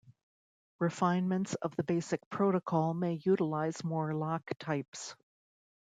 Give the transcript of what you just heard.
Refinements of the basic protocol may utilize more lock types.